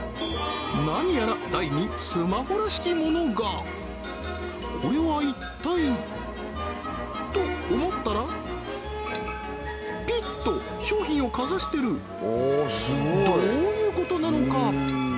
何やら台にスマホらしきものがこれは一体？と思ったらピッとどういうことなのか？